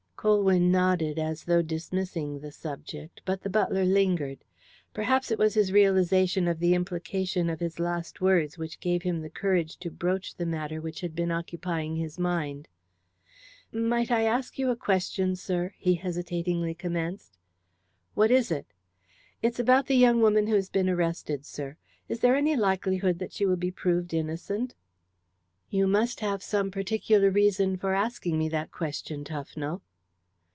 Colwyn nodded as though dismissing the subject, but the butler lingered. Perhaps it was his realization of the implication of his last words which gave him the courage to broach the matter which had been occupying his mind. "Might I ask you a question, sir?" he hesitatingly commenced. "What is it?" "It's about the young woman who has been arrested, sir. Is there any likelihood that she will be proved innocent?" "You must have some particular reason for asking me that question, Tufnell."